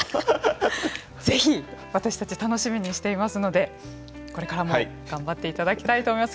ぜひ私たち楽しみにしていますのでこれからも頑張っていただきたいと思います。